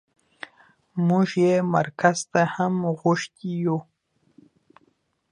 موږ يې مرکز ته هم غوښتي يو.